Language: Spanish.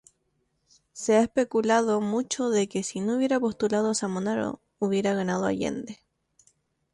Se ha especulado mucho de que si no hubiera postulado Zamorano, hubiera ganado Allende.